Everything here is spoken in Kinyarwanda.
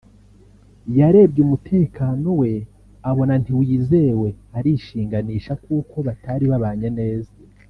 yarebye umutekano we abona ntiwizewe arishinganisha kuko batari babanye neza